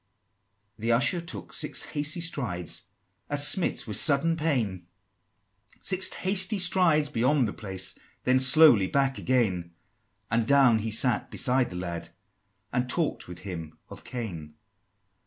'" IX. The Usher took six hasty strides, As smit with sudden pain, Six hasty strides beyond the place, Then slowly back again; And down he sat beside the lad, And talk'd with him of Cain; X.